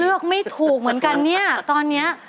ไม่ถูกเหมือนกันเนี่ยตอนเนี้ย